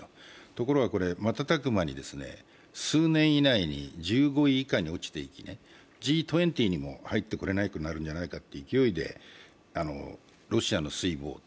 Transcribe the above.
ところが瞬く間に数年以内に１５位以下に落ちていきＧ２０にも入ってこれなくなるくらいの勢いでロシアの衰亡。